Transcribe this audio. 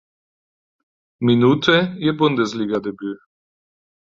Minute ihr Bundesligadebüt.